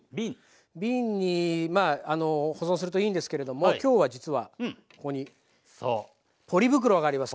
瓶に保存するといいんですけれどもきょうは実はここにポリ袋があります。